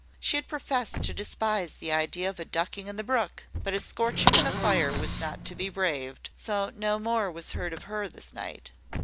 She had professed to despise the idea of a ducking in the brook; but a scorching in the fire was not to be braved; so no more was heard of her this night.